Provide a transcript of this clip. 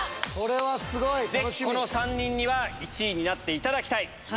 ぜひこの３人には１位になっていただきたい！